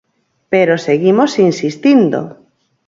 Pero seguimos insistindo.